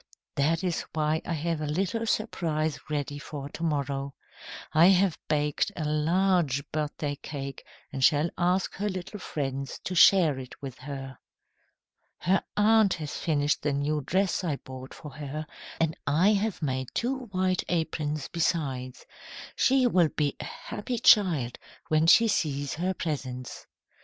"That is why I have a little surprise ready for to morrow. I have baked a large birthday cake and shall ask her little friends to share it with her. "Her aunt has finished the new dress I bought for her, and I have made two white aprons, besides. She will be a happy child when she sees her presents."